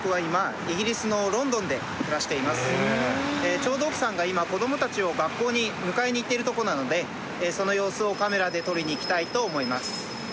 ちょうど奥さんが今子供たちを学校に迎えに行ってるとこなのでその様子をカメラで撮りに行きたいと思います。